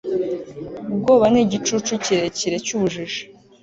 ubwoba ni igicucu kirekire cy'ubujiji